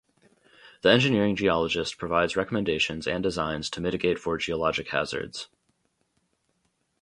The engineering geologist provides recommendations and designs to mitigate for geologic hazards.